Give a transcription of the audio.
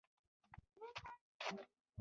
د نورو له تجربو زده کړه وکړه.